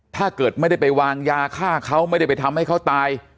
ถ้าเกิดไม่ได้ไปวางยาฆ่าเขาไม่ได้ไปทำให้เขาตาย